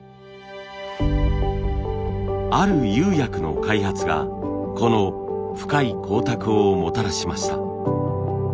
ある釉薬の開発がこの深い光沢をもたらしました。